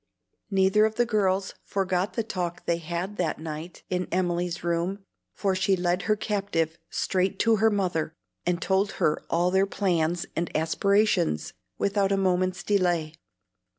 Neither of the girls forgot the talk they had that night in Emily's room, for she led her captive straight to her mother, and told her all their plans and aspirations without a moment's delay.